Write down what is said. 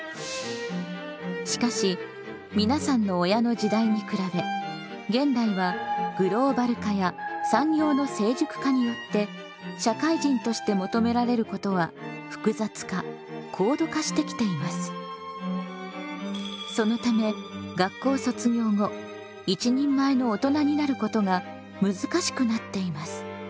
しかし皆さんの親の時代に比べ現代はグローバル化や産業の成熟化によって社会人として求められることは複雑化高度化してきています。そのため学校卒業後「一人前の大人」になることが難しくなっています。